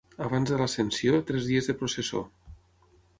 Abans de l'Ascensió, tres dies de processó.